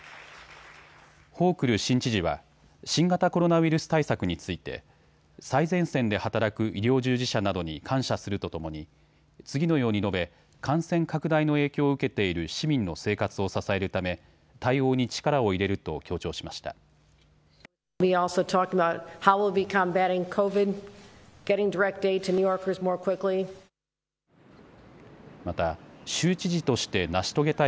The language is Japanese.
ホークル新知事は新型コロナウイルス対策について最前線で働く医療従事者などに感謝するとともに次のように述べ感染拡大の影響を受けている市民の生活を支えるため対応に力を入れると強調しました。